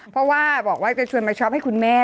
เพราะว่าบอกว่าจะชวนมาช็อปให้คุณแม่